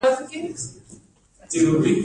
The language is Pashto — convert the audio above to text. د زابل په اتغر کې د سرو زرو نښې شته.